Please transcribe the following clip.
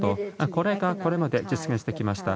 これが、これまで実現してきました。